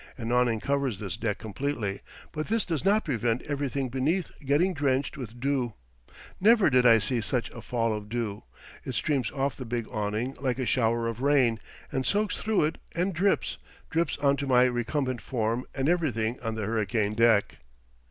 An awning covers this deck completely, but this does not prevent everything beneath getting drenched with dew. Never did I see such a fall of dew. It streams off the big awning like a shower of rain, and soaks through it and drips, drips on to my recumbent form and everything on the hurricane deck.